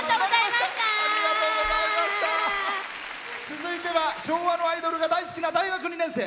続いては昭和のアイドルが大好きな大学２年生。